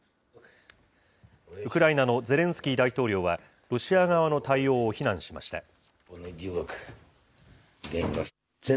ウクライナのゼレンスキー大統領は、ロシア側の対応を非難しました。